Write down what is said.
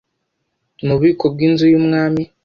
Mu bubiko bw inzu y umwami